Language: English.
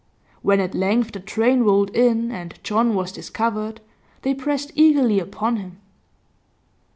When at length the train rolled in and John was discovered, they pressed eagerly upon him.